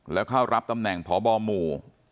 แล้วเข้ารับตำแหน่งพบหมู่